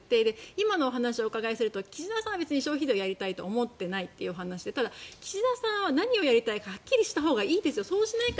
今のお話お伺いすると岸田さんは別に消費税やりたいと思っていないという話で岸田さんは何をやりたいかはっきりしたほうがいいですよ。